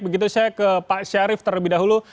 begitu saya ke pak syarif terlebih dahulu